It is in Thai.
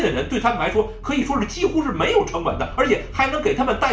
และมันยังมีเงินที่ให้พวกมันได้